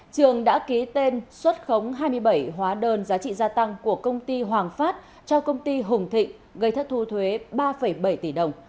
trường đã ký tên xuất khống hai mươi bảy hóa đơn giá trị gia tăng của công ty hoàng phát cho công ty hùng thịnh gây thất thu thuế ba bảy tỷ đồng